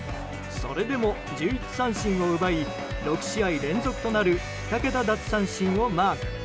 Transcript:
それでも１１三振を奪い６試合連続となる２桁奪三振をマーク。